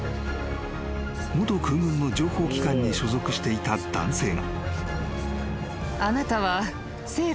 ［元空軍の情報機関に所属していた男性が］